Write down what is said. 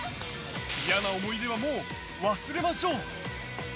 嫌な思い出はもう忘れましょう！